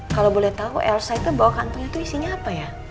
kalau boleh tau elsa itu bawa kantornya itu isinya apa ya